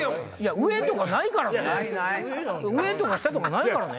上とか下とかないからね。